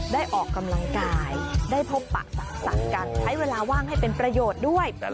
ได้ออกกำลังกายได้เวลาว่างให้เป็นประโยชน์ด้วย